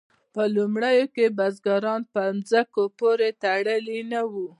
په لومړیو کې بزګران په ځمکو پورې تړلي نه وو.